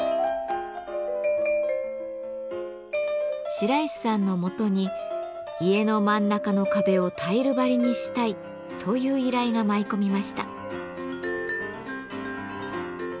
白石さんのもとに「家の真ん中の壁をタイル張りにしたい」という依頼が舞い込みました。